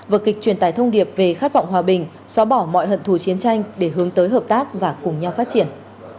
vợ kịch truyền tải thông điệp về khát vọng hòa bình xóa bỏ mọi hận thù chiến tranh để hướng tới hợp tác và cùng nhau phát triển